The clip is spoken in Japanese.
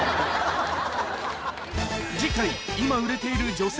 次回今売れている女性